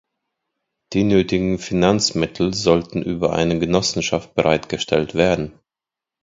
Die nötigen Finanzmittel sollten über eine Genossenschaft bereitgestellt werden.